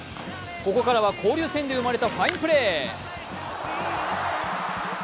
ここからは交流戦で生まれたファインプレー。